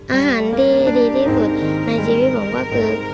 อาหารดีที่สุดในชีวิตผมก็คือ